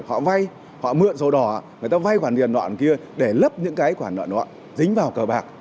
họ vay họ mượn sổ đỏ người ta vay khoản tiền nọn kia để lấp những cái khoản nọn nọn dính vào cờ bạc